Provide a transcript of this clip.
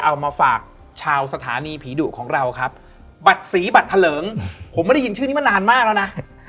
เอามาฝากชาวสถานีผีดุของเราครับบัตรสีบัตรทะเลิงผมไม่ได้ยินชื่อนี้มานานมากแล้วนะ